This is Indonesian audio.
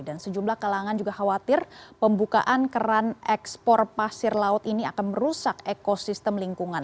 dan sejumlah kelangan juga khawatir pembukaan keran ekspor pasir laut ini akan merusak ekosistem lingkungan